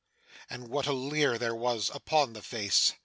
And what a leer there was upon the face!